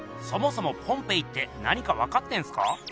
そもそもポンペイって何か分かってんすか？